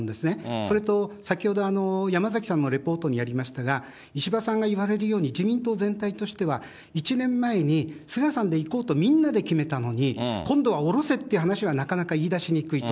それと先ほど山崎さんのレポートにありましたが、石破さんが言われるように、自民党全体としては１年前に菅さんで行こうとみんなで決めたのに、今度は降ろせっていう話は、なかなか言い出しにくいと。